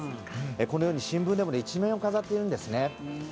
このように新聞でも一面を飾っているんです。